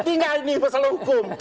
saya ini bersalah hukum